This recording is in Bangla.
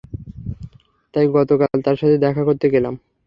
তাই গতকাল তার সাথে দেখা করতে গেলাম।